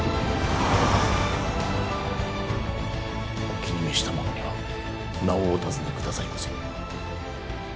お気に召した者には名をお尋ね下さいませ。